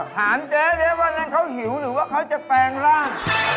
ถามเจ๊ดิวันนั้นเขาหิวหรือว่าเขาจะแปลงร่าง